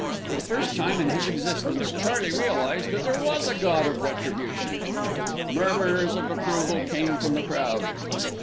For the first time in his existence, Charley realised that there was a God of retribution. Murmurs of approval came from the crowd.